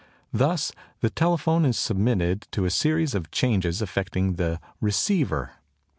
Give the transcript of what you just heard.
Thus the telephone is submitted to a series of changes affecting the "receiver."